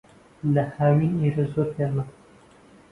لە ھاوین، ئێرە زۆر گەرمە.